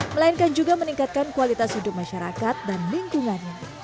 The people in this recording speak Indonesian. melainkan juga meningkatkan kualitas hidup masyarakat dan lingkungannya